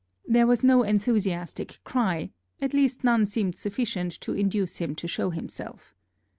There was no enthusiastic cry, at least none seemed sufficient to induce him to show himself.